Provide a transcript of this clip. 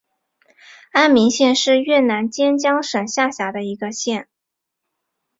安明县是越南坚江省下辖的一个县。